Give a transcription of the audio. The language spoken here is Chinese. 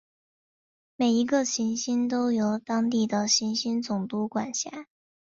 每一个行星都由当地的行星总督管辖。